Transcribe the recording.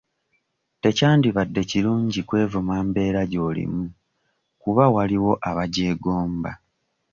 Tekyandibadde kirungi kwevuma mbeera gy'olimu kuba waliwo abagyegomba.